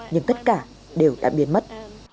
nhưng tất cả đều đã biến mất